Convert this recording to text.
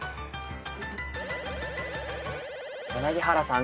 柳原さん